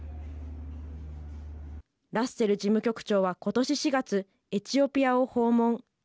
ラッセル事務局長は今年４月エチオピアを訪問。